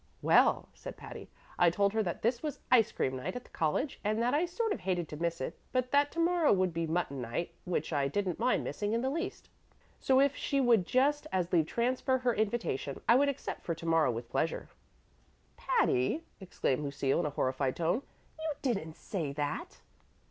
"Well," said Patty, "I told her that this was ice cream night at the college, and that I sort of hated to miss it; but that to morrow would be mutton night, which I didn't mind missing in the least; so if she would just as leave transfer her invitation, I would accept for to morrow with pleasure." "Patty," exclaimed Lucille, in a horrified tone, "you didn't say that!"